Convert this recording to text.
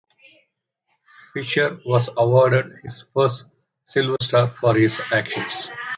Fisher was awarded his first Silver Star for his actions.